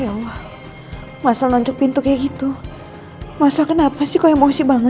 ya allah masalah lonceng pintu kaya gitu masalah kenapa komunikasi banget